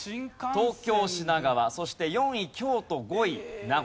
東京品川そして４位京都５位名古屋です。